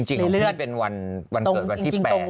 ของพี่เป็นวันเกิดวันที่๘